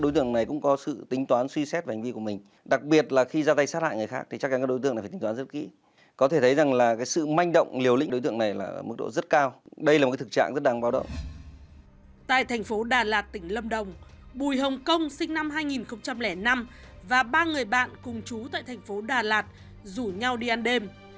tại thành phố đà lạt tỉnh lâm đồng bùi hồng kông sinh năm hai nghìn năm và ba người bạn cùng chú tại thành phố đà lạt rủ nhau đi ăn đêm